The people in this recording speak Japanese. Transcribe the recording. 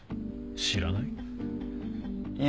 知らない？